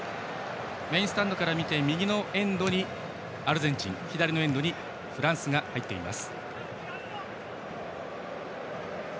メインスタンドから見て右のエンドにアルゼンチン左のエンドにフランスが入っています。